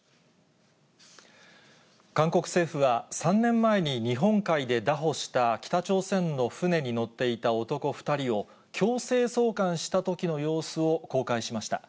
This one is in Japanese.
韓国政府は、３年前に日本海で拿捕した北朝鮮の船に乗っていた男２人を、強制送還したときの様子を公開しました。